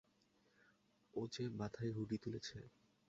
ওজে মাথায় হুডি তুলেছে।